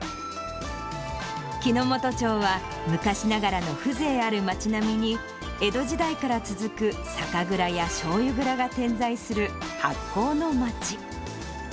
木之本町は、昔ながらの風情ある町並みに、江戸時代から続く酒蔵やしょうゆ蔵が点在する、発酵の町。